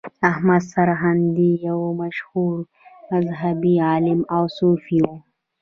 احمد سرهندي یو مشهور مذهبي عالم او صوفي و.